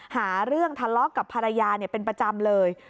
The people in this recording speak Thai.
หาเรื่องทะเลาะกับภรรยาเป็นประจำเลย